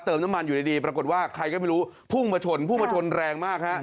น้ำมันอยู่ดีปรากฏว่าใครก็ไม่รู้พุ่งมาชนพุ่งมาชนแรงมากฮะ